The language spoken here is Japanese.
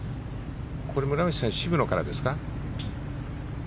これ村口さん渋野からですか？